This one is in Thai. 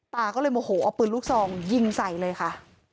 ตาก็เลยโมโหเอาปืนลูกซองยิงใส่เลยค่ะ